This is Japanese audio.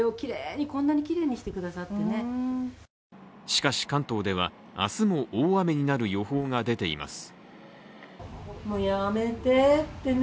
しかし関東では明日も大雨になる予報が出ています。